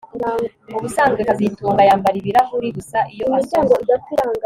Ubusanzwe kazitunga yambara ibirahuri gusa iyo asoma